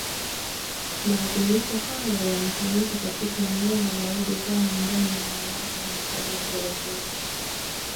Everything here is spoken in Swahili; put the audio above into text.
Maadhimisho hayo yamefanyika katika eneo la Olduvai ndani ya Mamlaka ya Hifadhi ya Ngorongoro